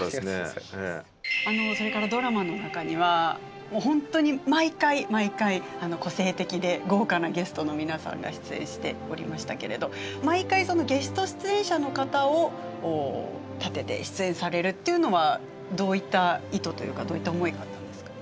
ドラマの中にはもう本当に毎回毎回個性的で豪華なゲストの皆さんが出演しておりましたけれど毎回そのゲスト出演者の方を立てて出演されるっていうのはどういった意図というかどういった思いがあったんですか？